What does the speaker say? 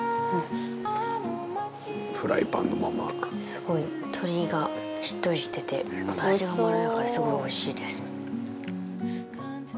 すごい鶏がしっとりしててあと味がまろやかですごいおいしいです。